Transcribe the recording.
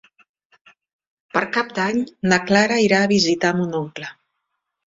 Per Cap d'Any na Clara irà a visitar mon oncle.